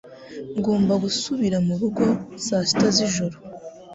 Ngomba gusubira murugo saa sita z'ijoro